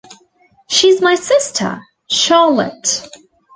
She's my sister, Charlotte.